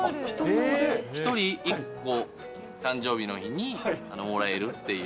１人１個、誕生日の日にもらえるっていう。